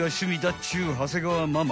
っちゅう長谷川ママ